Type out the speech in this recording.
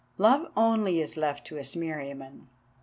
Love only is left to us, Meriamun."